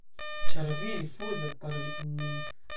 ĉar vi rifuzas paroli kun ni